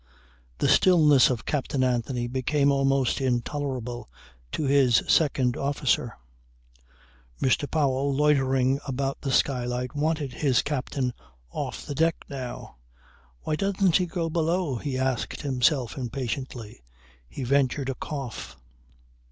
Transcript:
The stillness of Captain Anthony became almost intolerable to his second officer. Mr. Powell loitering about the skylight wanted his captain off the deck now. "Why doesn't he go below?" he asked himself impatiently. He ventured a cough.